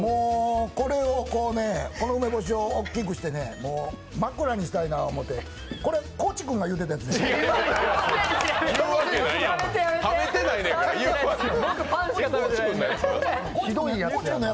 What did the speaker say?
この梅干しを大きくして枕にしたいな思ってこれ、高地君が言ってたやつや。